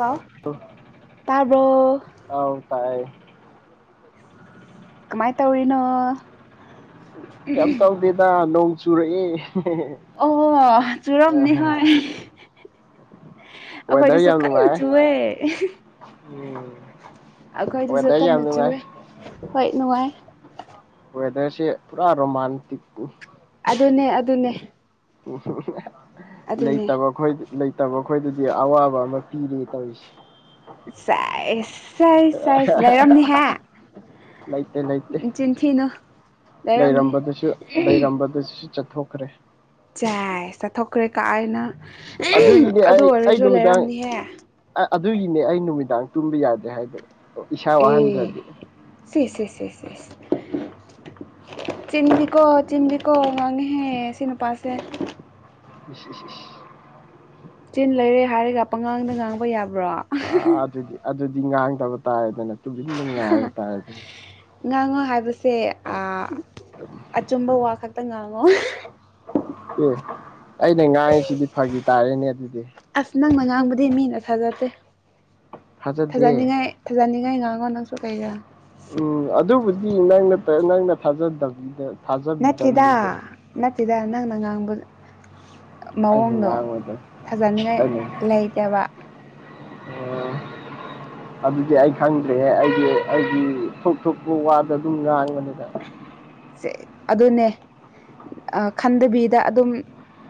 ꯍꯥꯎ ꯇꯥꯕ꯭ꯔꯣ ꯑꯣ ꯍꯥꯎ ꯇꯥꯏ ꯀꯃꯥꯏ ꯇꯧꯔꯤꯅꯣ꯫ ꯀꯩ ꯇꯧꯗꯦꯗ ꯅꯣꯡ ꯆꯨꯔꯛꯏꯦ ꯑꯣ ꯆꯨꯔꯝꯅꯤ ꯍꯣꯏ ꯑꯈꯣꯏꯗꯤ ꯋꯦꯗꯔ ꯌꯥꯝ ꯁꯨꯀꯅꯤ ꯅꯨꯡꯉꯥꯏ ꯆꯨꯋꯦ ꯎꯝ ꯑꯩꯈꯣꯏꯗꯨꯁꯨ ꯋꯦꯗꯔ ꯀꯟꯅ ꯌꯥꯝ ꯅꯨꯡꯉꯥꯏ ꯆꯏꯦ ꯍꯣꯏ ꯅꯨꯡꯉꯥꯏ ꯋꯦꯗꯔꯁꯦ ꯄꯨꯔꯥ ꯔꯣꯃꯥꯟꯇꯤꯛ ꯑꯗꯨꯅꯦ ꯑꯗꯨꯅꯦ꯫ ꯎ ꯂꯩ ꯑꯗꯨꯅꯦ ꯇꯕꯣꯈꯣꯏ ꯂꯩꯇꯕ ꯑꯩꯈꯣꯏꯒꯤꯗꯤ ꯑꯋꯥꯕ ꯑꯃ ꯄꯤꯔꯤ ꯇꯧꯔꯤꯁꯦ꯫ ꯆꯥꯏ ꯁꯥꯏ ꯁꯥꯏꯁ ꯂꯩꯔꯝꯅꯤꯍꯦ ꯆꯤꯟꯊꯤꯅ ꯂꯩꯔꯝꯕꯗꯁꯨ ꯂꯩꯔꯝꯕꯗꯁꯨ ꯆꯠꯊꯣꯛꯈ꯭ꯔꯦ ꯆꯦ ꯆꯠꯊꯣꯛꯈ꯭ꯔꯦ ꯀꯥꯏꯥꯏꯅ ꯑꯗꯨꯒꯤꯅꯦ ꯑꯗꯨ ꯑꯩ ꯑꯩ ꯑꯣꯏꯔꯁꯨ ꯅꯨꯃꯤꯗꯥꯡ ꯂꯩꯔꯝꯅꯤꯍꯦ ꯑꯗꯨꯒꯤꯅꯦ ꯑꯩ ꯅꯨꯃꯤꯗꯥꯡ ꯇꯨꯝꯕ ꯌꯥꯗꯦ ꯍꯥꯏꯕ ꯏꯁꯥ ꯋꯥꯍꯟꯗ꯭ꯔꯗꯤ ꯁꯤꯦꯦ ꯆꯤꯟꯗꯤꯀꯣ ꯆꯤꯟꯗꯤꯀꯣ ꯉꯥꯡꯉꯦꯍꯦ ꯁꯤ ꯅꯨꯄꯥꯁꯦ꯫ ꯏꯁ ꯏꯁ ꯏꯁ ꯆꯤꯟ ꯂꯩꯔꯦ ꯍꯥꯏꯔꯒ ꯄꯉꯥꯡꯗ ꯉꯥꯡꯕ ꯌꯥꯕ꯭ꯔꯣ꯫ ꯑ ꯑꯗꯨꯗꯤ ꯑꯗꯨꯗꯤ ꯉꯥꯡꯗꯕ ꯇꯥꯏꯔꯗꯅ ꯇꯨꯡꯟꯗ ꯉꯥꯏꯕ ꯇꯥꯏꯗꯅ ꯉꯥꯡꯉꯣ ꯍꯥꯏꯕꯁꯦ ꯑꯆꯨꯝꯕ ꯋꯥ ꯈꯛꯇ ꯉꯥꯡꯉꯣ [unintelligible] ꯑꯦ ꯑꯩꯅ ꯉꯥꯡꯉꯤꯁꯤꯗꯤ ꯐꯒꯤ ꯇꯥꯔꯦꯅꯦ ꯑꯗꯨꯗꯤ ꯑꯁ ꯅꯪꯅ ꯉꯥꯡꯕꯨꯗꯤ ꯃꯤꯅ ꯊꯥꯖꯗꯦ ꯊꯥꯖꯗꯦ ꯊꯥꯖꯅꯤꯡꯉꯥꯏ ꯐꯖꯅꯤꯡꯉꯥꯏ ꯉꯥꯡꯉꯣ ꯅꯪꯁꯨ ꯀꯩꯒꯥ ꯎꯝ ꯑꯗꯨꯕꯨꯗꯤ ꯅꯪꯅ ꯅꯪꯅ ꯊꯥꯖꯗꯕꯅꯤꯗ ꯅꯠꯇꯦꯗ ꯅꯠꯇꯦꯗ ꯅꯪꯅ ꯉꯥꯡꯕꯥ ꯑꯩꯅ ꯃꯑꯣꯡꯗꯣ ꯉꯥꯡꯕꯗꯣ ꯐꯖꯅꯤꯡꯉ ꯑꯩꯅ ꯂꯩꯇꯕ ꯑꯣ [unintelligible] ꯑꯗꯨꯗꯤ ꯑꯩ ꯈꯪꯗ꯭ꯔꯦ ꯑꯩꯒꯤ ꯑꯩꯒꯤ ꯊꯣꯛ ꯊꯣꯛꯄ ꯋꯥꯗ ꯑꯗꯨꯝ ꯉꯥꯡꯕꯅꯤꯅ ꯑꯗꯨꯅꯦ ꯈꯟꯗꯕꯤꯗ ꯑꯗꯨꯝ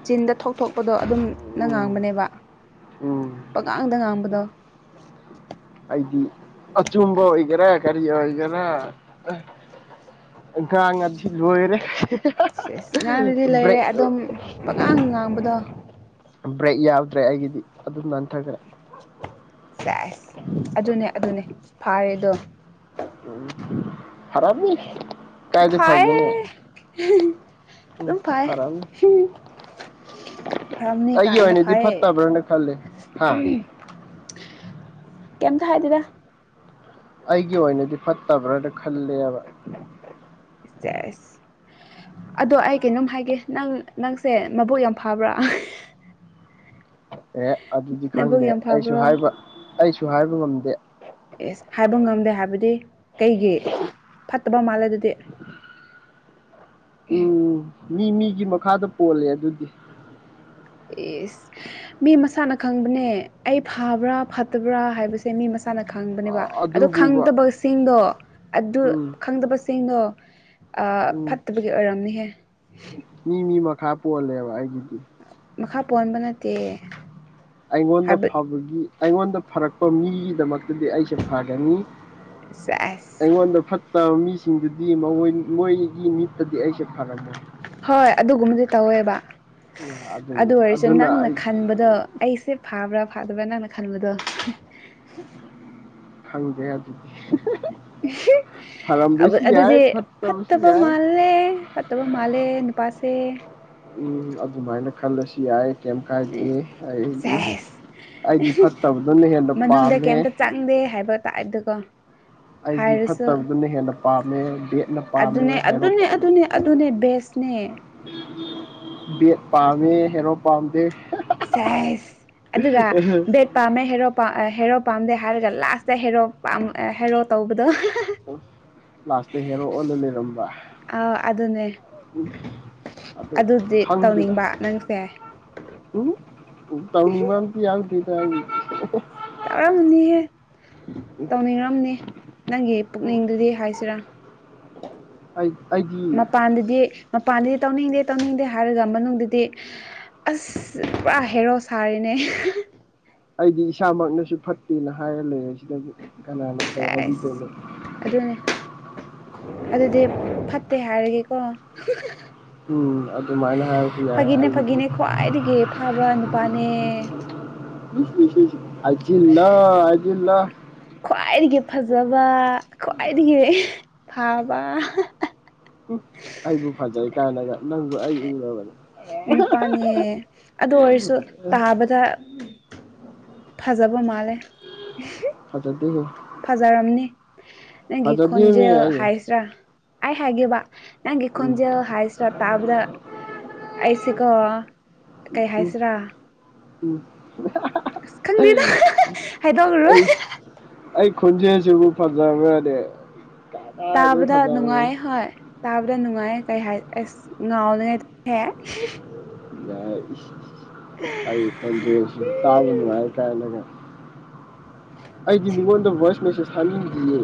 ꯆꯤꯟꯗ ꯊꯣꯛ ꯊꯣꯛꯄꯗꯣ ꯑꯗꯨꯝꯅ ꯎꯝ ꯉꯥꯡꯕꯅꯦꯕ ꯎꯝ ꯄꯀꯥꯡꯗ ꯉꯥꯡꯕꯗꯣ ꯑꯩꯗꯤ ꯑꯆꯨꯝꯕ ꯑꯣꯏꯒꯦꯔꯥ ꯀꯔꯤ ꯑꯣꯏꯒꯦꯔꯥ ꯑ ꯉꯥꯡ ꯉꯗꯤ ꯂꯣꯏꯔꯦ ꯉꯥꯡꯗꯨꯗꯤ ꯂꯩꯔꯦ ꯕ꯭ꯔꯦꯛ ꯑꯗꯨꯝ ꯄꯉꯥꯡ ꯉꯥꯡꯕꯗꯣ ꯕ꯭ꯔꯦꯛ ꯌꯥꯎꯗ꯭ꯔꯦ ꯑꯩꯒꯤꯗꯤ ꯑꯗꯨꯝꯅ ꯅꯥꯟꯊꯒ꯭ꯔꯦ꯫ ꯆꯁ ꯑꯗꯨꯅꯦ ꯑꯗꯨꯅꯦ ꯐꯔꯦꯗꯣ ꯎ ꯈꯔꯞꯅꯤ ꯐꯥꯏ ꯎ ꯎꯝ ꯄꯥꯏ ꯐꯔꯝꯅꯤ ꯐꯔꯝꯅꯤ ꯑꯩꯒꯤ ꯀꯥꯏꯥꯏꯅ ꯑꯣꯏꯅꯗꯤ ꯐꯔꯦ ꯐꯠꯇꯕ꯭ꯔꯅ ꯈꯜꯂꯦ ꯍꯥ ꯀꯝꯃꯇ ꯍꯥꯏꯗꯦꯗ꯫ ꯑꯩꯒꯤ ꯑꯣꯏꯅꯗꯤ ꯐꯠꯇꯕ꯭ꯔꯥꯅ ꯈꯜꯂꯦꯕ꯫ ꯏꯁꯦꯁ ꯑꯗꯣ ꯑꯩ ꯀꯩꯅꯣꯝ ꯍꯥꯏꯒꯦ ꯅꯪ ꯅꯪꯁꯦ ꯃꯕꯨꯣꯛ ꯌꯥꯝ ꯐꯥꯕ꯭ꯔꯥ ꯑꯦ ꯑꯗꯨꯗꯤ ꯅꯕꯨꯛ ꯈꯪꯗꯦ ꯌꯥꯝ ꯑꯩꯁꯨ ꯐꯕ꯭ꯔꯣ ꯍꯥꯏꯕ ꯑꯩꯁꯨ ꯍꯥꯏꯕ ꯉꯝꯗꯦ ꯑꯦꯁ ꯍꯥꯏꯕ ꯉꯝꯗꯦ ꯍꯥꯏꯕꯗꯤ ꯀꯩꯒꯤ ꯐꯠꯇꯕ ꯃꯥꯜꯂꯦ ꯑꯗꯨꯗꯤ꯫ ꯎꯝ ꯃꯤ ꯃꯤꯒꯤ ꯃꯈꯥꯗ ꯄꯣꯜꯂꯦ ꯑꯗꯨꯗꯤ ꯌꯦꯁ ꯃꯤ ꯃꯁꯥꯅ ꯈꯪꯕꯅꯦ ꯑꯩ ꯐꯕ꯭ꯔꯥ ꯐꯠꯇꯕ꯭ꯔꯥ ꯍꯥꯏꯕꯁꯦ ꯃꯤ ꯃꯁꯥ ꯥꯅ ꯈꯪꯕꯅꯦꯕ ꯑꯗꯣ ꯑꯗꯨꯕꯨꯕ ꯈꯪꯗꯕ ꯁꯤꯡꯗꯣ ꯑꯗꯨ ꯎꯝ ꯈꯪꯗꯕ ꯁꯤꯡꯗꯣ ꯑ ꯎꯝ ꯐꯠꯇꯕꯒꯤ ꯑꯣꯏꯔꯝꯅꯤꯍꯦ ꯃꯤ ꯃꯤ ꯃꯈꯥ ꯄꯣꯜꯂꯦꯕ ꯑꯩꯒꯤꯗꯤ ꯃꯈꯥ ꯄꯣꯟꯕ ꯅꯠꯇꯦ ꯑꯩꯉꯣꯟꯗ ꯍꯥꯏꯕ ꯐꯕꯒꯤ ꯑꯩꯉꯣꯟꯗ ꯐꯔꯛꯄ ꯃꯤꯒꯤꯗꯃꯛꯇꯗꯤ ꯑꯩꯁꯦ ꯐꯒꯅꯤ ꯁꯁ ꯑꯩꯉꯣꯟꯗ ꯐꯠꯇꯕ ꯃꯤꯁꯤꯡꯗꯨꯗꯤ ꯃꯣꯏ ꯃꯣꯏꯒꯤ ꯃꯤꯠꯇꯗꯤ ꯑꯩꯁꯦ ꯐꯔꯝꯃꯣꯏ꯫ ꯍꯣꯏ ꯑꯗꯨꯒꯨꯝꯕꯗꯤ ꯇꯧꯋꯦꯕ ꯑꯗꯨꯅꯤ ꯑꯗꯨ ꯑꯣꯏꯔꯁꯨ ꯑꯗꯨꯅ ꯅꯪꯅ ꯑꯩ ꯈꯟꯕꯗꯣ ꯑꯩꯁꯦ ꯐꯥꯕ꯭ꯔꯥ ꯐꯥꯗꯕ꯭ꯔꯥ ꯅꯪꯅ ꯈꯟꯕꯗꯣ ꯈꯪꯗ꯭ꯔꯦ ꯑꯗꯨꯗꯤ [unintelligible] ꯌꯥꯏ ꯑꯗꯨꯗꯤ ꯐꯠꯇꯕꯁꯨ ꯐꯠꯇꯕ ꯌꯥꯏ ꯃꯥꯜꯂꯦ꯫ ꯐꯠꯇꯕ ꯃꯥꯜꯂꯦ ꯅꯨꯄꯥꯁꯦ ꯎꯝ ꯑꯗꯨꯃꯥꯏꯅ ꯈꯜꯂꯁꯨ ꯌꯥꯏ ꯀꯩꯝ ꯀꯥꯏꯗꯦ ꯑꯩꯗꯤ ꯁꯦꯁ ꯑꯩꯗꯤ ꯐꯠꯇꯕꯗꯨꯅ ꯍꯦꯟꯅ ꯃꯅꯨꯡꯗ ꯄꯥꯝꯃꯦ ꯀꯩꯝꯇ ꯆꯪꯗꯦ ꯍꯥꯏꯕ ꯇꯥꯏꯞꯇꯨꯀꯣ ꯑꯩꯗꯤ ꯍꯥꯏꯔꯁꯨ ꯐꯠꯇꯕꯗꯨꯅ ꯍꯦꯟꯅ ꯄꯥꯝꯃꯦ ꯕꯦꯠꯅ ꯄꯥꯝꯃꯦ ꯑꯗꯨꯅꯦ ꯍꯦꯔꯣ ꯑꯗꯨꯅꯦ ꯄꯥꯝꯃꯦ ꯑꯗꯨꯅꯦ ꯑꯗꯨꯅꯦ ꯕꯦꯁ [unintelligible] ꯕꯦꯠ ꯄꯥꯝꯃꯦ ꯍꯦꯔꯣ ꯄꯥꯝꯗꯦ ꯁꯦꯁ ꯑꯗꯨꯒ ꯕꯦꯠ ꯄꯥꯝꯃꯦ ꯍꯦꯔꯣ ꯍꯦꯔꯣ ꯄꯥꯝꯗꯦ ꯍꯥꯏꯔꯒ ꯂꯥꯁꯇ ꯍꯦꯔꯣ ꯄꯥꯝ ꯍꯦꯔꯣ ꯇꯧꯕꯗꯣ [unintelligible] ꯂꯥꯁꯇ ꯍꯦꯔꯣ ꯑꯣꯏꯅ ꯂꯩꯔꯝꯕ ꯑꯥꯎ ꯑꯗꯨꯅꯦ ꯑꯗꯨ ꯑꯗꯨꯗꯤ ꯈꯪꯗꯦꯗ ꯇꯧꯅꯤꯡꯕ ꯅꯪꯁꯦ ꯎꯝ ꯇꯧꯅꯤꯡꯕꯝꯇ ꯌꯥꯎꯗꯦꯗ ꯑꯩ ꯌꯥꯎꯔꯝꯅꯤꯍꯦ ꯇꯧꯅꯤꯡꯉꯝꯅꯤ ꯅꯪꯒꯤ ꯄꯨꯛꯅꯤꯡꯗꯨꯗꯤ ꯍꯥꯏꯁꯤꯔꯥ ꯑꯩ ꯑꯩꯗꯤ ꯃꯄꯥꯟꯗꯗꯤ ꯃꯄꯥꯟꯗꯗꯤ ꯇꯧꯅꯤꯡꯗꯦ ꯇꯧꯅꯤꯡꯗꯦ ꯍꯥꯏꯔꯒ ꯃꯅꯨꯡꯗꯗꯤ ꯑꯁ ꯄꯨꯔꯥ ꯍꯦꯔꯣ ꯁꯥꯔꯦꯅꯦ [unintelligible] ꯑꯩꯗꯤ ꯏꯁꯥꯃꯛꯅꯁꯨ ꯐꯠꯇꯦꯅ ꯍꯥꯏꯔ ꯂꯩꯔꯁꯤꯗꯕꯨ ꯀꯅꯥꯅ ꯐꯩ ꯑꯁ ꯍꯥꯏꯕꯤꯗꯣꯏꯅꯣ ꯑꯗꯨꯅꯦ ꯑꯗꯨꯗꯤ ꯐꯠꯇꯦ ꯍꯥꯏꯔꯒꯦꯀꯣ [unintelligible] ꯎꯝ ꯑꯗꯨꯃꯥꯏꯅ ꯍꯥꯏꯔꯁꯨ ꯌꯥꯏ ꯐꯥꯒꯤꯅꯦ ꯑꯩꯒꯤꯗꯤ ꯐꯥꯒꯤꯅꯦ ꯈ꯭ꯋꯥꯏꯗꯒꯤ ꯐꯥꯕ ꯅꯨꯄꯥꯅꯦ꯫ [inaudible] ꯍꯥꯏꯖꯤꯜꯂꫭ ꯍꯥꯏꯖꯤꯜꯂꫭ ꯈ꯭ꯋꯥꯏꯗꯒꯤ ꯐꯖꯕ ꯈ꯭ꯋꯥꯏꯗꯒꯤ ꯐꯥꯕ ꯑꯩꯕꯨ ꯐꯖꯩ ꯀꯥꯟꯅꯒ ꯅꯪꯕꯨ ꯑꯩ ꯎꯔꯕꯅꯦ ꯅꯨꯄꯥ ꯅꯦ ꯑꯗꯨ ꯑꯣꯏꯔꯁꯨ ꯇꯥꯕꯗ ꯐꯖꯕ ꯃꯥꯜꯂꯦ ꯐꯖꯗꯦꯍꯦ ꯐꯖꯔꯝꯅꯤ ꯅꯪꯒꯤ ꯐꯖꯗꯦꯃꯤ ꯈꯣꯟꯖꯦꯜ ꯑꯩ ꯍꯥꯏꯁꯤꯔꯥ ꯑꯩ ꯍꯥꯏꯒꯦꯕ ꯅꯪꯒꯤ ꯎꯝ ꯈꯣꯟꯖꯦꯜ ꯍꯥꯏꯁꯤꯔꯥ ꯇꯥꯕꯗ ꯑꯩꯁꯤꯀꯣ ꯀꯩ ꯎꯝ ꯍꯥꯏꯁꯤꯔꯥ ꯎꯝ ꯑꯁ ꯈꯪꯗꯦꯗ [unintelligible] ꯍꯥꯏꯗꯣꯛꯔꯔꯣꯏ ꯑꯩ [unintelligible] ꯑꯩ ꯈꯣꯟꯖꯦꯜꯁꯤꯕꯨ ꯐꯥꯖꯕꯔꯅꯦ ꯇꯥꯕꯗ ꯅꯨꯡꯉꯥꯏ ꯍꯣꯏ ꯇꯥꯕꯗ ꯅꯨꯡꯉꯥꯏ ꯀꯩ ꯍꯥꯏ ꯑꯩꯁ [unintelligible] [unintelligible] ꯑꯩ ꯈꫭꯟꯖꯦꯜꯁꯤꯕꯨ ꯇꯥꯕ ꯅꯨꯡꯉꯥꯏꯀꯥꯏꯅ ꯑꯩꯗꯤ ꯃꯤꯉꯣꯟꯗ ꯚꯣꯏꯁ ꯃꯦꯁꯦꯁ ꯊꯅꯤꯡꯗ꯭ꯔꯤꯌꯦ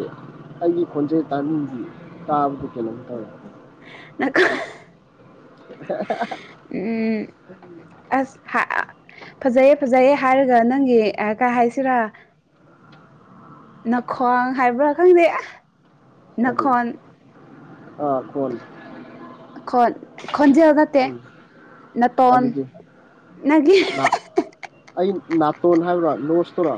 ꯑꯩꯒꯤ ꯈꯣꯟꯖꯦꯜ ꯇꯥꯅꯤꯡꯗꯦ ꯇꯥꯕꯗ ꯀꯩꯅꯣꯝ ꯇꯧꯋꯦ [unintelligible] [unintelligible] ꯎꯝ ꯑꯁ [unintelligible] ꯐꯖꯩꯌꯦ ꯐꯖꯩꯌꯦ ꯍꯥꯏꯔꯒ ꯅꯪꯒꯤ ꯀꯩ ꯍꯥꯏꯁꯤꯔꯥ ꯅꯈ꯭ꯋꯥꯡ ꯍꯥꯏꯕ꯭ꯔꯥ ꯈꯪꯗꯦ ꯑꯦ ꯀꯔꯤ ꯑꯥ ꯈꯣꯟ ꯈꯣꯟ ꯈꯣꯟꯖꯦꯜ ꯅꯠꯇꯦ ꯎꯝ ꯅꯇꯣꯟ ꯑꯗꯨꯗꯤ ꯅꯪꯒꯤ ꯅꯥ ꯑꯩ ꯅꯥꯇꯣꯟ ꯍꯥꯏꯕ꯭ꯔꯥ ꯂꯣꯁꯇꯔꯣ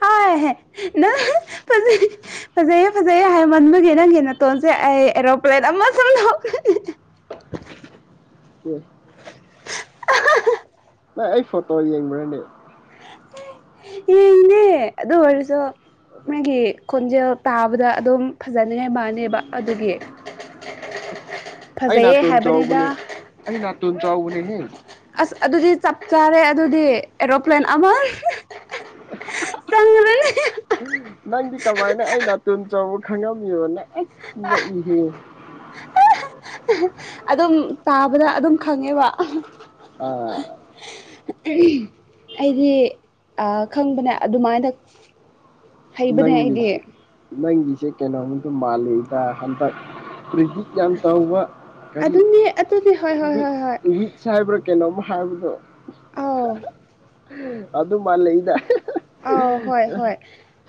ꯍꫭꯏ [unintelligible] ꯐꯖꯩꯌꯦ ꯐꯖꯩꯌꯦ ꯍꯥꯏꯃꯟꯕꯒꯤ ꯅꯪꯒꯤ ꯅꯇꯣꯟꯁꯦ ꯑꯩ ꯑꯦꯔꯣꯄ꯭ꯂꯦꯟ ꯑꯃ ꯁꯨꯝ ꯂꯧ [unintelligible] ꯎ ꯅꯪ ꯑꯩ ꯐꯣꯇꯣ ꯌꯦꯡꯕ꯭ꯔꯅꯦ꯫ [unintelligible] ꯑꯗꯨ ꯑꯣꯏꯔꯖꯨ ꯃꯩꯒꯤ ꯈꯣꯟꯖꯦꯜ ꯇꯥꯕꯗ ꯑꯗꯨꯝ ꯐꯖꯅꯤꯉꯥꯏ ꯃꯥꯟꯅꯦꯕ ꯑꯗꯨꯒꯤ ꯑꯩ ꯐꯖꯩꯌꯦ ꯅꯥꯇꯣꯟꯣꯟ ꯍꯥꯏꯕꯅꯤꯗ ꯆꯥꯎꯥꯎꯕꯅꯦ ꯑꯩ ꯅꯥꯇꯣꯟ ꯆꯥꯎꯕꯅꯦ ꯍꯦ ꯑꯁ ꯑꯗꯨꯗꯤ ꯆꯞ ꯆꯥꯔꯦ ꯑꯗꯨꯗꯤ ꯑꯦꯔꯣꯄ꯭ꯂꯦꯟ ꯑꯃ ꯆꯪꯈ꯭ꯔꯅꯤ ꯅꯪꯗꯤ ꯀꯃꯥꯏꯅ ꯑꯩ ꯅꯥꯇꯨꯣꯟ ꯆꯥꯎꯕ ꯈꯪꯉꯝꯃꯤꯕ ꯅꯪ ꯑꯁ ꯉꯛꯏꯍꯦ꯫ ꯑꯗꯨꯝ ꯇꯥꯕꯗ ꯑꯗꯨꯝ ꯈꯪꯉꯦꯕ ꯑꯥ ꯑꯩꯗꯤ ꯑ ꯈꯪꯕꯅꯦ ꯑꯗꯨꯃꯥꯏꯗ ꯅꯪꯒꯤꯁꯦ ꯅꯪꯒꯤꯁꯦ ꯀꯩꯅꯣꯝꯗ ꯃꯥꯜꯂꯤꯦꯗ ꯍꯟꯇꯛ ꯄ꯭ꯔꯤ ꯌꯥꯝ ꯇꯥꯎꯕ ꯀꯔꯤ ꯑꯗꯨꯅꯦ ꯑꯗꯨꯅꯦ ꯍꯣꯏ ꯍꯣꯏ ꯅꯨꯃꯤꯠ ꯍꯣꯏ ꯍꯣꯏ ꯅꯨꯃꯤꯠ [unintelligible] ꯍꯥꯏꯕ꯭ꯔꯥ ꯀꯩꯅꯣꯝ ꯍꯥꯏꯕꯗꯣ ꯑꯥꯎ ꯑꯗꯨ ꯃꯥꯜꯂꯩꯗ [unintelligible] ꯑꯥꯎ ꯍꯣꯏ ꯍꯣꯏ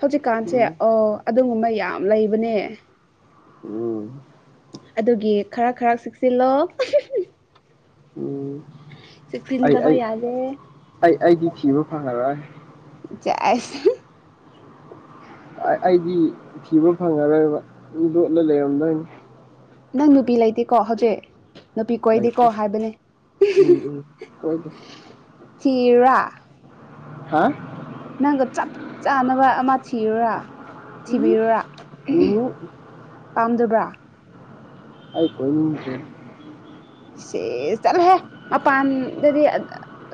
ꯍꯧꯖꯤꯛꯀꯥꯟꯁꯦ ꯎꯝ ꯑꯣ ꯑꯗꯨꯒꯨꯝꯕ ꯌꯥꯝ ꯂꯩꯕꯅꯦ ꯎꯝ ꯑꯗꯨꯒꯤ ꯈꯔ ꯈꯔ ꯆꯦꯛꯆꯤꯜꯂꯣ [unintelligible] ꯎꯝ ꯑꯩ ꯆꯦꯛꯁꯤꯟꯗꯕ ꯑꯩ ꯌꯥꯗꯦ ꯑꯩ ꯑꯩꯗꯤ ꯊꯤꯕ ꯐꯪꯉꯔꯣꯏ꯫ ꯑ ꯁꯦꯁ ꯑꯩꯗꯤ ꯊꯤꯕ ꯐꯪꯉꯔꯣꯏꯕ ꯃꯤ ꯂꯣꯠꯂ ꯂꯩꯔꯝꯗꯣꯏꯅꯤ ꯅꯪ ꯅꯨꯄꯤ ꯂꯩꯇꯦꯀꯣ ꯍꯧꯖꯤꯛ ꯅꯨꯄꯤ ꯀꯣꯏꯗꯦꯀꯣ ꯂꯩꯇꯦ ꯍꯥꯏꯕꯅꯤ ꯎꯝ ꯎꯝ ꯀꯣꯏꯗꯦ [unintelligible] ꯊꯤꯔꯥ ꯍꯥ ꯅꯪꯒ ꯆꯞ ꯆꯥꯅꯕ ꯑꯃ ꯊꯤꯔꯨꯔ ꯊꯤꯕꯤꯔꯨꯔꯥ ꯎꯝ ꯄꯥꯝꯖꯕ꯭ꯔꯥ ꯑꯩ ꯀꫭꯏꯅꯤꯡꯗ꯭ꯔꯦ ꯁꯦꯁ ꯆꯠꯂꯣꯍꯦ ꯃꯄꯥꯟꯗꯗꯤ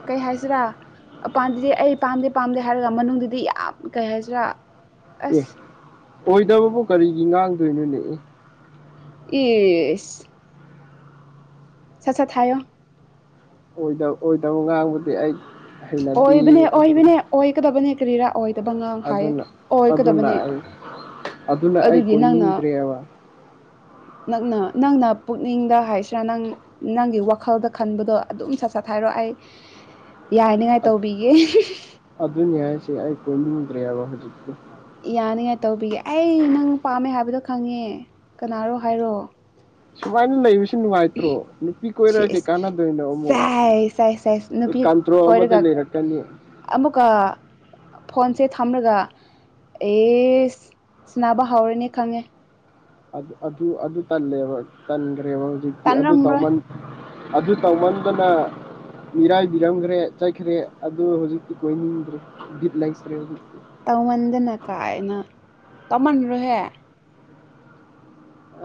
ꯀꯩ ꯍꯥꯏꯁꯤꯔꯥ ꯄꯥꯝꯗꯗꯤ ꯑꯩ ꯄꯥꯝꯗꯦ ꯄꯥꯝꯗꯦ ꯍꯥꯏꯔꯒ ꯃꯅꯨꯡꯗꯨꯗꯤ ꯌꯥꯝ ꯀꯩ ꯍꯥꯏꯁꯤꯔꯥ ꯑꯦ ꯑꯁ ꯑꯣꯏꯗꯕꯕꯨ ꯀꯔꯤꯒꯤ ꯉꯥꯡꯗꯣꯏꯅꯣꯅꯦ ꯑꯦ ꯏꯁ ꯁꯥꯠ ꯁꯥꯠ ꯍꯥꯏꯌꫭ ꯑꯣꯏꯗꯕ ꯑꯣꯏꯗꯕ ꯉꯥꯡꯕꯗꯤ ꯑꯩ ꯍꯩꯅꯕꯤ ꯑꯣꯏꯕꯅꯦ ꯑꯗꯨꯅ ꯑꯣꯏꯕꯅꯦ ꯑꯣꯏꯒꯗꯕꯅꯦ ꯀꯔꯤꯔꯥ ꯑꯣꯏꯗꯕ ꯉꯥꯡ ꯍꯥꯏꯌꯦ ꯑꯗꯨꯅ ꯑꯗꯨꯅ ꯑꯣꯏꯒꯗꯕꯅꯦ ꯑꯩ ꯑꯗꯨꯅ ꯑꯩ ꯑꯗꯨꯒꯤ ꯅꯪꯅ ꯀꯣꯏꯅꯤꯡꯗ꯭ꯔꯦꯕ ꯅꯪꯅ ꯅꯪꯅ ꯄꯨꯛꯅꯤꯡꯗ ꯍꯥꯏꯁꯤꯔꯥ ꯅꯪ ꯅꯪꯒꯤ ꯋꯥꯈꯜꯗ ꯈꯟꯕꯗꯣ ꯑꯗꯨꯝ ꯁꯠ ꯁꯠ ꯊ ꯍꯥꯏꯔꯣ ꯑꯩ ꯌꯥꯅꯤꯉꯥꯏ ꯇꯧꯕꯤꯒꯦ ꯑꯗꯨꯏ ꯁꯤꯦ ꯀꯣꯏꯗ꯭ꯔꯌꯥꯕ ꯍꯧꯖꯤꯦ ꯌꯥꯅꯤꯉꯥꯏ ꯇꯧꯕꯤꯒꯦ ꯑꯩ ꯅꯪ ꯄꯥꯝꯃꯦ ꯍꯥꯏꯕꯗꯣ ꯈꯪꯉꯦ ꯀꯅꯥꯔꯣ ꯍꯥꯏꯔꯣ ꯁꯨꯃꯥꯏꯅ ꯂꯩꯕꯁꯤ ꯅꯨꯡꯉꯥꯏꯇ꯭ꯔꯣ ꯅꯨꯄꯤ ꯀꯣꯏꯔꯒ ꯀꯩ ꯁꯤꯁ ꯀꯥꯟꯅꯗꯣꯏꯅꯣ ꯑꯃꯨꯛ ꯁꯥꯏ ꯁꯥꯏ ꯁꯥꯏꯁ ꯅꯨꯄꯤ ꯀꯥꯟꯇ꯭ꯔꯣ ꯑꯃꯗ ꯀꯣꯏꯔꯒ ꯂꯩꯔ ꯀꯅꯤ ꯑꯃꯨꯛꯀ ꯐꯣꯟꯁꯦ ꯊꯝꯂꯒ ꯑꯦ ꯁꯅꯕ ꯍꯧꯥꯎꯔꯅꯤ ꯈꯪꯉꯦ ꯑꯗꯨ ꯑꯗꯨ ꯇꯜꯂꯦꯕ ꯇꯟꯈ꯭ꯔꯦꯕ ꯍꯧꯖꯤꯛꯇꯤ ꯑꯗꯨ ꯇꯥꯟꯔꯝꯔꯣꯏ ꯇꯧꯃꯟ ꯑꯗꯨ ꯇꯧꯃꯟꯗꯅ ꯃꯤꯔꯥꯏꯕꯤꯔꯝꯈ꯭ꯔꯦ ꯆꯠꯈ꯭ꯔꯦ ꯑꯗꯨ ꯍꯧꯖꯤꯛꯇꯤ ꯀꯣꯏꯅꯤꯡꯗ꯭ꯔꯦ ꯕꯤꯠ ꯂꯩꯇ꯭ꯔꯦ ꯍꯧꯖꯤꯛꯇ ꯇꯧꯃꯟꯗꯅ ꯀꯥꯏꯅ ꯇꯧꯃꯟꯔꯣꯍꯦ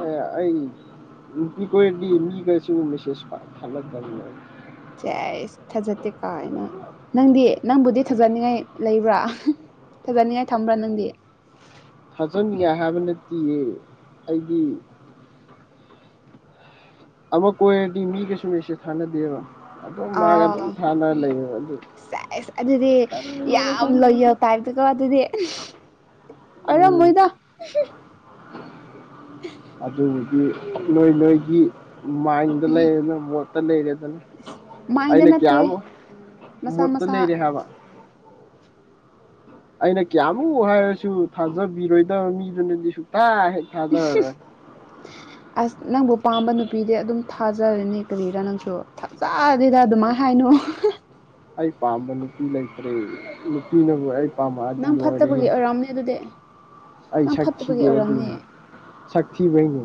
ꯑꯦ ꯑꯩ ꯅꯨꯄꯤ ꯀꯣꯢꯔꯗꯤ ꯃꯤꯒꯁꯨ ꯃꯦꯁꯦꯖ ꯄꯥꯛ ꯊꯥꯅꯗꯕꯅꯦ ꯆ꯭ꯑꯩꯁ ꯊꯥꯖꯗꯦ ꯀꯥꯏꯅ ꯅꯪꯗꯤ ꯅꯪꯕꯨꯗꯤ ꯊꯥꯖꯅꯤꯡꯉꯥꯏ ꯂꯩꯕ꯭ꯔꯥ ꯐꯖꯅꯤꯡꯉꯥꯏ ꯊꯝꯕ꯭ꯔꯥ ꯅꯪꯗꯤ ꯊꯥꯖꯟꯅꯤꯡꯉꯥꯏ ꯍꯥꯏꯕ ꯅꯠꯇꯦꯌꯦ ꯑꯩꯒꯤ ꯑꯃ ꯀꯣꯏꯔꯗꯤ ꯃꯤꯒꯁꯨ ꯃꯦꯁꯦꯁ ꯊꯥꯅꯗꯦꯕ ꯑꯗꯨꯝ ꯃꯥꯒ ꯑꯗꯨꯝ ꯑꯥꯎ ꯊꯥꯅ ꯂꯩꯌꯦꯕ ꯑꯗꯨ ꯁꯥꯏꯁ ꯑꯗꯨꯗꯤ ꯀꯔꯤꯒꯤꯅꯣ ꯌꯥꯝ ꯈꯪꯗꯦ ꯂꯣꯌꯦꯜ ꯇꯥꯏꯞꯇꯀ ꯑꯗꯨꯗꯤ ꯎꯝ ꯑꯔꯝꯕꯣꯏꯗ ꯑꯗꯨꯕꯨꯗꯤ ꯅꯣꯏ ꯅꯣꯏꯒꯤ ꯃꯥꯏꯟꯗꯂꯩꯔꯦꯅ ꯃꯣꯠꯇꯂꯩꯔꯦꯗꯅ ꯃꯥꯏꯟꯗ ꯑꯩꯅ ꯅꯠꯇꯦ ꯀꯌꯥꯃꯨꯛ ꯃꯁꯥ ꯃꯨꯠꯇ ꯃꯁꯥ ꯂꯩꯔꯦ ꯍꯥꯏꯕ ꯑꯩꯅ ꯀꯌꯥꯃꯨꯛ ꯍꯥꯏꯔꯁꯨ ꯊꯥꯖꯕꯤꯔꯣꯏꯗꯕ ꯃꯤꯗꯨꯅꯗꯤ ꯁꯨꯛꯇ ꯍꯦꯛ ꯊꯥꯖꯔꯔꯣꯏ [unintelligible] ꯑꯁ ꯅꯪꯕꯨ ꯄꯥꯝꯕ ꯅꯨꯄꯤꯗꯤ ꯑꯗꯨꯝ ꯊꯥꯖꯔꯅꯤ ꯀꯔꯤꯔꯥ ꯅꯪꯁꯨ ꯊꯖꯗꯦꯗ ꯑꯗꯨꯃꯥꯏ ꯍꯥꯏꯅꯨ ꯑꯩ ꯄꯥꯝꯕ ꯅꯨꯄꯤ ꯂꯩꯇ꯭ꯔꯦ ꯅꯨꯄꯤꯅꯕꯨ ꯑꯩ ꯄꯥꯝꯃꯛꯑꯗꯤ ꯂꯣꯏꯔꯦꯍꯦ ꯄꯝꯅꯦ ꯑꯗꯨꯗꯤ ꯑꯩ ꯅꯪ ꯁꯛ ꯐꯠꯇꯕꯒꯤ ꯊꯤꯗꯦ ꯑꯗꯨ ꯑꯣꯏꯔꯝꯅꯤ ꯁꯛꯊꯤꯕꯩꯅꯦ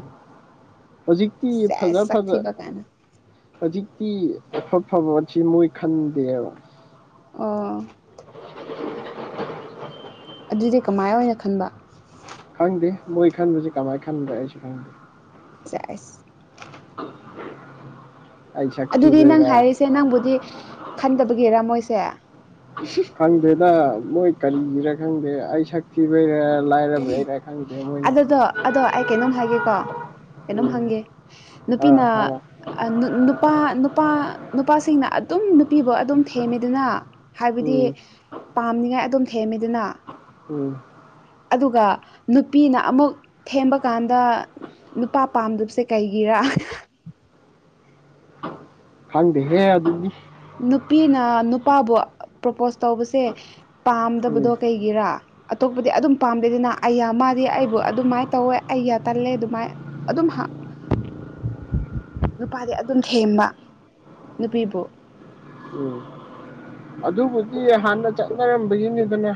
ꯍꯧꯖꯤꯛꯇꯤ ꯐꯉꯥ ꯁꯦꯁ ꯐꯉꯥ ꯁꯛꯊꯤꯕ ꯀꯥꯏꯅ ꯍꯧꯖꯤꯛꯇꯤ ꯑꯐ ꯐꯕꯣꯠ ꯑꯁꯤ ꯃꯣꯏ ꯈꯟꯗꯦꯕ ꯑꯣ ꯑꯗꯨꯗꯤ ꯀꯃꯥꯏ ꯑꯣꯏꯅ ꯈꯟꯕ ꯈꯪꯗꯦ ꯃꯣꯏ ꯈꯟꯕꯁꯦ ꯀꯃꯥꯏ ꯈꯟꯕ ꯑꯩꯁꯨ ꯈꯪꯗꯦ ꯆꯥꯏꯁ ꯑꯩ ꯁꯛ ꯑꯗꯨꯗꯤ ꯅꯪ ꯊꯤꯕꯩꯔꯥ ꯍꯥꯏꯔꯤꯁꯦ ꯅꯪꯕꯨꯗꯤ ꯈꯟꯗꯕꯒꯤꯔ‌ ꯃꯣꯏꯁꯦ ꯈꯪꯗꯦꯗ ꯃꯣꯏ ꯀꯔꯤꯒꯤꯔ ꯈꯪꯗꯦ ꯑꯩ ꯁꯛ ꯊꯤꯕꯩꯔꯥ ꯂꯥꯏꯔꯕꯩꯔꯥ ꯈꯪꯗꯦ ꯃꯣꯏꯅ ꯑꯗꯨꯗꯣ ꯑꯗꯣ ꯑꯩ ꯀꯩꯅꯣꯝ ꯍꯥꯏꯒꯦꯀꯣ ꯀꯩꯅꯣꯝ ꯎꯝ ꯍꯪꯒꯦ ꯑꯥ ꯅꯨꯄꯤꯅ ꯑꯥ ꯑ [unintelligible] ꯅꯨꯄꯥ ꯅꯨꯄꯥ ꯅꯨꯄꯥꯁꯤꯡꯅ ꯑꯗꯨꯝ ꯅꯨꯄꯤꯕꯨ ꯑꯗꯨꯝ ꯊꯦꯝꯃꯤꯗꯅ ꯍꯥꯏꯕꯗꯤ ꯎꯝ ꯄꯥꯝꯅꯤꯉꯥꯏ ꯑꯗꯨꯝ ꯊꯦꯝꯃꯤꯗꯅ ꯎꯝ ꯑꯗꯨꯒ ꯅꯨꯄꯤꯅ ꯑꯃꯨꯛ ꯊꯦꯝꯕꯀꯥꯟꯗ ꯅꯨꯄꯥ ꯄꯥꯝꯗꯕꯁꯦ ꯀꯩꯒꯤꯔ ꯍꯪꯗꯦ ꯍꯦ ꯑꯗꯨ ꯅꯨꯄꯤꯅ ꯅꯨꯄꯥꯕꯨ ꯄ꯭ꯔꯣꯄꯣꯁ ꯇꯧꯕꯁꯦ ꯄꯥꯝꯗꯕꯗꯣ ꯎꯝ ꯀꯩꯒꯤꯔꯥ ꯑꯇꯣꯞꯄꯗꯤ ꯑꯗꯨꯝ ꯄꯥꯝꯗꯦꯗꯅ ꯑꯩꯌꯥ ꯃꯥꯗꯤ ꯑꯩꯕꯨ ꯑꯗꯨꯃꯥꯏ ꯇꯧꯋꯦ ꯑꯩꯌꯥ ꯇꯜꯂꯦ ꯑꯗꯨꯃꯥꯏ ꯑꯗꯨꯝ ꯍꯥ ꯅꯨꯄꯥꯗꯤ ꯑꯗꯨꯝ ꯊꯦꯝꯕ ꯅꯨꯄꯤꯕꯨ ꯎꯝ ꯑꯗꯨꯕꯨꯗꯤ ꯍꯥꯟꯅ ꯆꯠꯅꯔꯝꯕꯒꯤꯅꯤꯗꯅ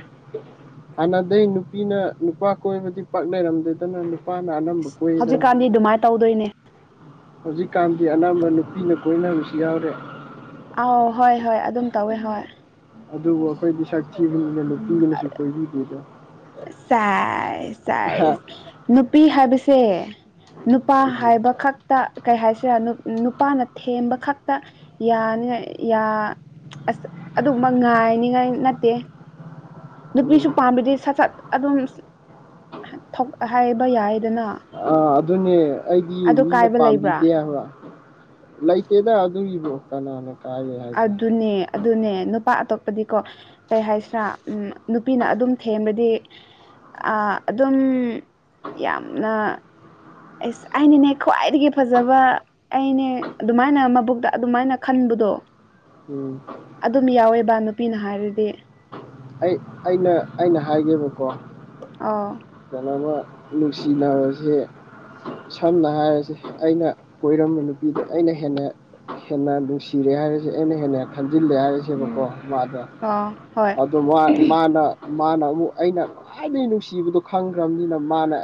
ꯍꯥꯟꯅꯗꯩ ꯅꯨꯄꯤꯅ ꯅꯨꯄꯥ ꯀꯣꯏꯕꯗꯤ ꯄꯥꯛꯅꯔꯝꯗꯦꯗꯅ ꯅꯨꯄꯥꯅ ꯑꯅꯝꯕ ꯀꯣꯏꯗꯅ ꯍꯧꯖꯤꯛꯀꯥꯟꯗꯤ ꯑꯗꯨꯃꯥꯏꯅ ꯇꯧꯗꯣꯏꯅꯦ ꯍꯧꯖꯤꯛꯀꯥꯟꯗꯤ ꯑꯅꯝꯕ ꯅꯨꯄꯤꯅ ꯀꯣꯏꯅꯕꯁꯨ ꯌꯥꯎꯔꯦ ꯑꯥꯎ ꯍꯣꯏ ꯍꯣꯏ ꯑꯗꯨꯝ ꯇꯧꯋꯦ ꯍꯣꯏ ꯑꯗꯨꯕꯨ ꯑꯩꯈꯣꯏꯗꯤ ꯁꯛ ꯊꯤꯕꯅꯤꯅ ꯅꯨꯄꯤꯒꯅꯁꯨ ꯀꯣꯏꯕꯤꯗꯦꯗꯣ ꯆꯥꯏ ꯆꯥꯏ ꯅꯨꯄꯤ ꯍꯥꯏꯕꯁꯦ ꯅꯨꯄꯥ ꯎꯝ ꯍꯥꯏꯕ ꯈꯛꯇ ꯀꯩ ꯍꯥꯏꯁꯤꯔꯥ ꯅꯨꯄꯥꯅ ꯊꯦꯝꯕ ꯈꯛꯇ ꯌꯥ ꯥꯏ ꯌꯥ ꯑꯁ ꯑꯗꯨꯃ ꯉꯥꯏꯅꯤꯉꯥꯏ ꯅꯠꯇꯦ ꯅꯨꯄꯤꯁꯨ ꯎꯝ ꯄꯥꯝꯗꯗꯤ ꯁꯠ ꯁꯠ ꯑꯗꯨꯝ ꯑꯍ ꯊꯣꯛ ꯍꯥꯏꯕ ꯌꯥꯏꯗꯅ ꯑ ꯑꯗꯨꯅꯦ ꯑꯩꯗꯤ ꯑꯗꯨ ꯃꯤꯅ ꯀꯥꯏꯕ ꯂꯩꯕ꯭ꯔꯥ ꯄꯥꯝꯕꯤꯗꯦ ꯍꯥꯏꯕꯥ ꯂꯩ ꯇꯦꯗ ꯑꯗꯨꯒꯤꯕꫭ ꯀꯅꯅꯥ ꯑꯗꯨꯅꯦ ꯑꯗꯨꯅꯦ ꯅꯨꯄꯥ ꯑꯇꯣꯞꯄꯗꯤꯀꯣ ꯀꯩ ꯍꯥꯏꯁꯤꯔꯥ ꯅꯨꯄꯤꯅ ꯑꯗꯨꯝ ꯊꯦꯝꯔꯗꯤ ꯑꯗꯨꯝ ꯌꯥꯝꯅ ꯑꯦꯁ ꯑꯩꯅꯅꯦ ꯈ꯭ꯋꯥꯏꯗꯒꯤ ꯐꯖꯕ ꯑꯩꯅꯦ ꯑꯗꯨꯃꯥꯏꯅ ꯃꯕꯨꯛꯇ ꯑꯗꯨꯃꯥꯏꯅ ꯈꯟꯕꯗꯣ ꯎꯝ ꯑꯗꯨꯝ ꯌꯥꯎꯋꯦꯕ ꯅꯨꯄꯤꯅ ꯍꯥꯏꯔꯗꯤ ꯑꯩ ꯑꯩꯅ ꯑꯩꯅ ꯍꯥꯏꯒꯦꯕꯀꯣ ꯑꯣ ꯀꯅꯣꯒ ꯅꯨꯡꯁꯤꯅꯔꯁꯦ ꯁꯝꯅ ꯍꯥꯏꯔꯁꯦ ꯑꯩꯅ ꯀꯣꯏꯔꯝꯕ ꯅꯨꯄꯤꯗ ꯑꯩꯅ ꯍꯦꯟꯅ ꯍꯦꯟꯅ ꯅꯨꯡꯁꯤꯔꯦ ꯍꯥꯏꯔꯤꯁꯦ ꯑꯩꯅ ꯍꯦꯟꯅ ꯈꯟꯖꯤꯜꯂꯦ ꯍꯥꯏꯔꯤꯁꯦ ꯁꯕꯀꯣ ꯎꯝ ꯃꯥꯗꫭ ꯑꯥ ꯍꯣꯏ ꯑꯗꫭ ꯃꯥꯅ ꯃꯥꯅ ꯑꯃꯨꯛ ꯑꯩꯅ ꯈ꯭ꯋꯥꯏꯗꯒꯤ ꯅꯨꯡꯁꯤꯕꯗꯣ ꯈꯪꯈ꯭ꯔꯕꯅꯤꯅ ꯃꯥꯅ